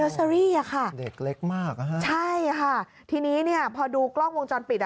เซอรี่ค่ะใช่ค่ะทีนี้พอดูกล้องวงจรปิด